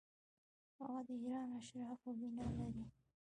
هغه د ایران اشرافو وینه لري.